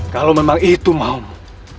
kalau memang itu maumu